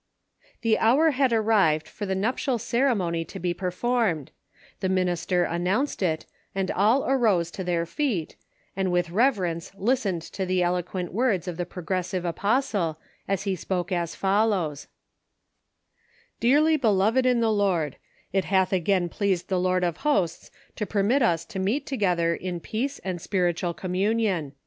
The hour had arrived for the nuptial ceremony to be performed ; the minister announced it, and all arose to their feet, and with reverence listened to the elo quent words of the Progressive apostle, as he spoke as follows : "Dearly Beloved in the Lord :— It hath again pleased the Lord of hosts to permit us to meet together in peace and spiritual communion."